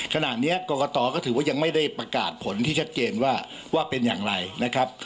ขณะนี้กรกตก็ถือว่ายังไม่ได้ประกาศผลที่ชัดเจนว่าว่าเป็นอย่างไรนะครับ